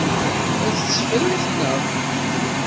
Ad tt-teffremt, naɣ?